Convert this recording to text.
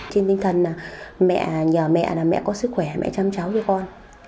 trên tinh thần là mẹ nhờ mẹ là mẹ có sức khỏe mẹ chăm cháu như con